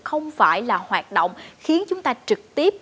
không phải là hoạt động khiến chúng ta trực tiếp